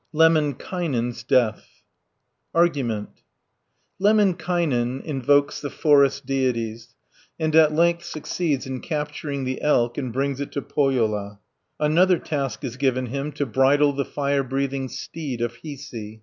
LEMMINKAINEN'S DEATH Argument Lemminkainen invokes the forest deities, and at length succeeds in capturing the elk, and brings it to Pohjola (1 270). Another task is given him, to bridle the fire breathing steed of Hiisi.